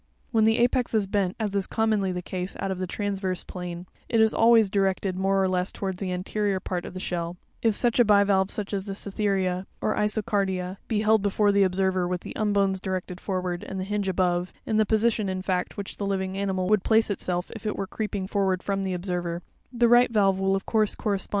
When the apex is bent, as is commonly the case, out of the transverse plane, it is always directed more or less towards the anterior part of the shell; if such a bivalve shell as the Cytherea, or Isocardia, be held before the observer, with the umbones directed forward, and the hinge above,—in the position, in fact, in which the living animal would place itself if it were creeping forwards from the observer,—the right valve will of course correspond with the right hand of the observer, and the left with the left.